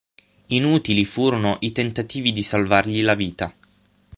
Inutili furono i tentativi di salvargli la vita.